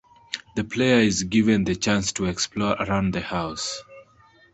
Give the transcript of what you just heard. The player is given the chance to explore around the house.